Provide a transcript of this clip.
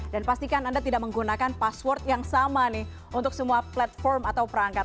dan pastikan anda tidak menggunakan password yang sama nih untuk semua platform atau perangkat